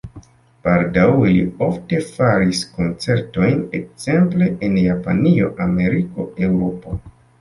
Baldaŭe li ofte faris koncertojn, ekzemple en Japanio, Ameriko, Eŭropo.